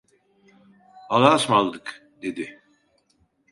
"Allahaısmarladık!" dedi.